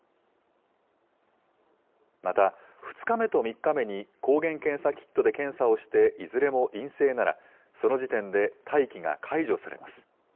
また、２日目と３日目に抗原検査キットで検査をしていずれも陰性なら、その時点で待機が解除されます。